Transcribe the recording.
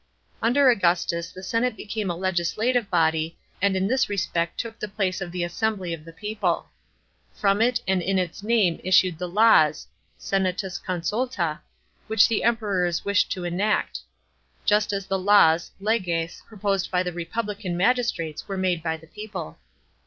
Under Augustus the senate became a legislative body and in this respect took the place of the assembly of the people. From it and in its name issued the laws (stnatusconsultu} which tlie Emperors wished to enact ; just as the laws (leges) proposed by the republican magistrates were made by the people.